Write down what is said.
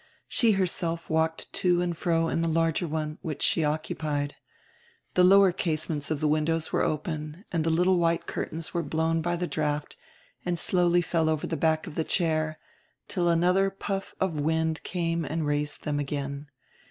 She herself walked to and fro in the larger one, which she occupied. The lower casements of the windows were open and the little white curtains were blown by the draft and slowly fell over the back of the chair, till another puff of wind came and raised them again.